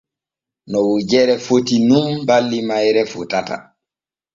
No wojere foti nun balli mayre fotata.